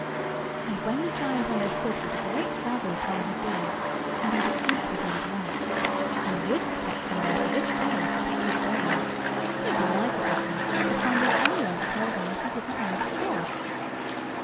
And when the giant understood what a great traveller Tom had been, he made a truce with him at once, and would have kept him there to this day to pick his brains, so delighted was he at finding any one to tell him what he did not know before.